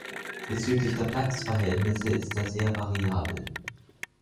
Bezüglich der Platzverhältnisse ist er sehr variabel.